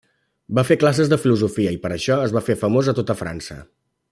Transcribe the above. Va fer classes de filosofia i per això, es va fer famós a tota França.